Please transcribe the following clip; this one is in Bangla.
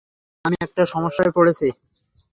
আমি একটা সমস্যা পড়েছি।